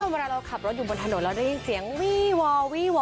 เวลาเราขับรถอยู่บนถนนเราได้ยินเสียงวี่วอวี่วอ